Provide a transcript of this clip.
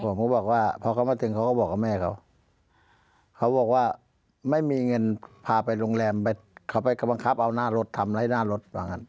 ผมก็บอกว่าพอเขามาถึงเขาก็บอกกับแม่เขาเขาบอกว่าไม่มีเงินพาไปโรงแรมไปเขาไปบังคับเอาหน้ารถทำไล่หน้ารถว่างั้น